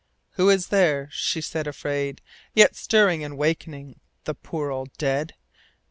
II. Who is there, she said afraid, yet Stirring and awaking The poor old dead?